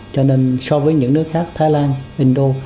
cho nên so với những nước khác thái lan indo